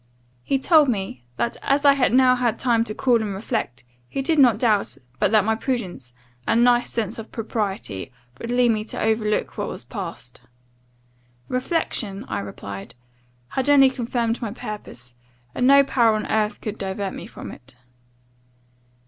"He told me, that 'As I now had had time to cool and reflect, he did not doubt but that my prudence, and nice sense of propriety, would lead me to overlook what was passed.' "'Reflection,' I replied, 'had only confirmed my purpose, and no power on earth could divert me from it.